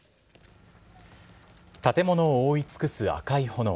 建物を覆い尽くす赤い炎。